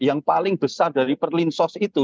yang paling besar dari perlinsos itu